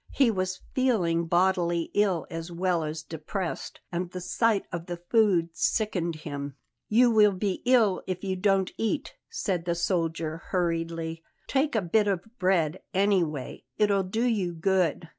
He was feeling bodily ill as well as depressed; and the sight of the food sickened him. "You will be ill if you don't eat," said the soldier hurriedly. "Take a bit of bread, anyway; it'll do you good."